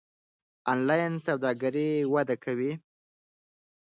انلاین سوداګري وده کوي.